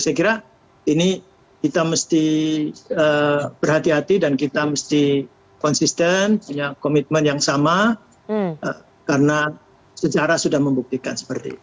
saya kira ini kita mesti berhati hati dan kita mesti konsisten punya komitmen yang sama karena sejarah sudah membuktikan seperti itu